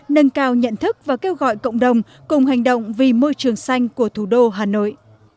nâng cao nhận thức và kêu gọi cộng đồng cùng hành động vì môi trường xanh của thủ đô hà nội